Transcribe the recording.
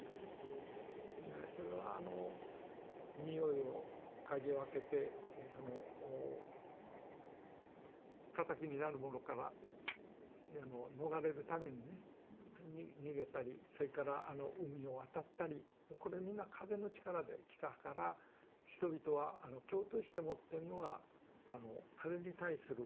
それはにおいを嗅ぎ分けて敵になるものから逃れるためにね逃げたりそれから海を渡ったりこれみんな風の力で来たから人々はあの共通して持ってんのが風に対する信仰なんですね。